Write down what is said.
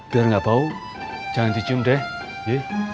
biar gak bau jangan dicium deh ye